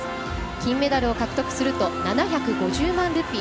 金メダルを獲得すると７５０万ルピー。